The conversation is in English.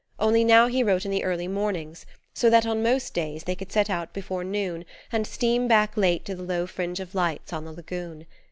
Only now he wrote in the early mornings, so that on most days they could set out before noon and steam back late to the low fringe of lights on the lagoon.